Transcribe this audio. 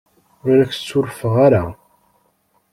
Ur ak-ssurufeɣ ara.